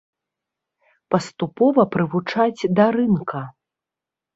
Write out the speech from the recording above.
Паступова прывучаць да рынка.